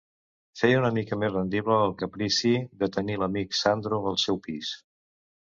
Feia una mica més rendible el caprici de tenir l’amic Sandro al seu pis.